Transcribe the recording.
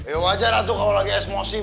ya wajar kalau lagi esmosi ya